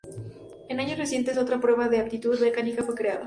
En años recientes, otra prueba de aptitud mecánica fue creada.